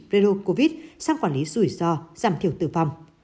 virus covid sang quản lý rủi ro giảm thiểu tử vong